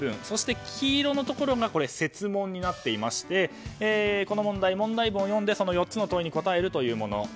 そして黄色のところが設問になっていましてこの問題、問題文を読んで４つの問いに答えるというもの。